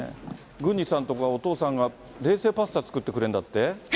郡司さんとこはお父さんが冷製パスタ作ってくれるんだって？